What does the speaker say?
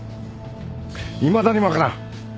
いまだに分からん